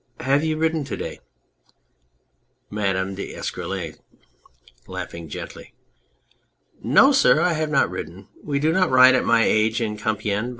Have you ridden to day ? MADAME D'ESCUROLLES (laughing gently}. No, sir, I have not ridden. We do not ride at my age in Compiegne